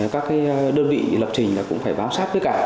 các cái đơn vị lập trình cũng phải báo sát tất cả